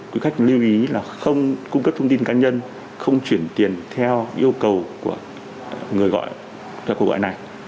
quý khách lưu ý là không cung cấp thông tin cá nhân không chuyển tiền theo yêu cầu của người gọi